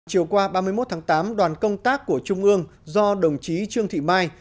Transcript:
chiều qua ba mươi một tháng tám đoàn công tác của trung ương do đồng chí trương thị mai